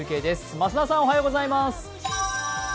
増田さんおはようございます。